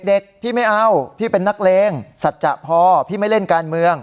เด็กพี่ไม่เอาพี่เป็นนักเลงสัจจะพอพี่ไม่เล่นการเมือง